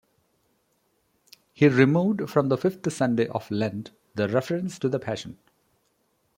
He removed from the fifth Sunday of Lent the reference to the Passion.